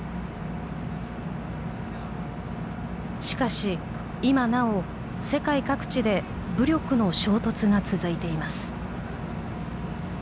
しかし、今なお世界各地で武力の衝突が続いています。